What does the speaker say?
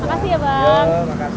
makasih ya bang